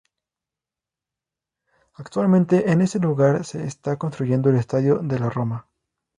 Actualmente en ese lugar se está construyendo el Stadio della Roma.